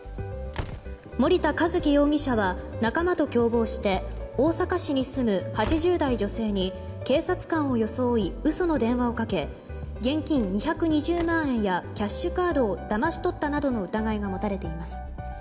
森田一樹容疑者は仲間と共謀して大阪市に住む８０代女性に警察官を装い嘘の電話をかけ現金２２０万円やキャッシュカードをだまし取ったなどの疑いが持たれています。